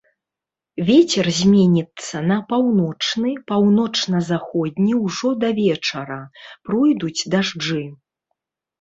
Вецер зменіцца на паўночны, паўночна-заходні ўжо да вечара, пройдуць дажджы.